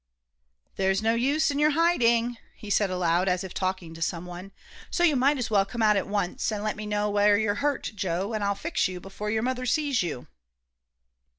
"There's no use in your hiding," he said aloud, as if talking to some one. "So you might as well come out at once, and let me know where you're hurt, Joe, and I'll fix you before your mother sees you."